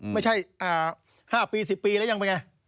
ไม่ใช่๕ปี๑๐ปีแล้วยังเป็นไง